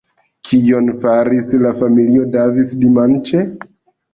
Kion faris la familio Davis dimanĉe?